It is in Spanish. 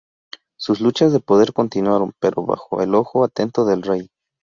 Sus luchas de poder continuaron, pero bajo el ojo atento del rey.